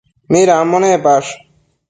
Midambo nepash?